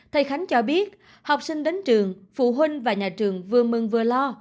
thầy khánh cho biết học sinh đến trường phụ huynh và nhà trường vừa mừng vừa lo